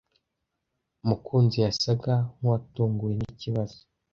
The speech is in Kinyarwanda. Mukunzi yasaga nkuwatunguwe nikibazo.